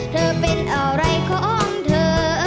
เธอเป็นอะไรของเธอ